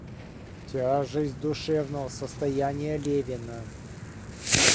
Тяжесть душевного состояния Левина.